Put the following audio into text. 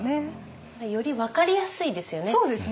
より分かりやすいですよね。